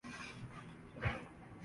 معلوم نہیں، اس کے دل میں کیاہے؟